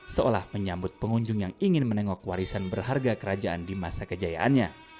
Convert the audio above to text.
seolah menyambut pengunjung yang ingin menengok warisan berharga kerajaan di masa kejayaannya